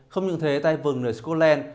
không những thế tay vừng nơi scotland